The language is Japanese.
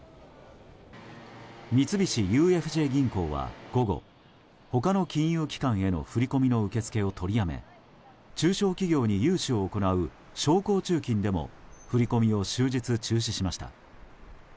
三菱ＵＦＪ銀行は午後他の金融機関への振り込みの受け付けを取りやめ中小企業に融資を行う商工中金でも振り込みを終日中止しました。